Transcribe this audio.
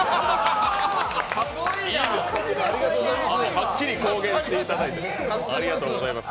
はっきり公言していただいてありがとうございます。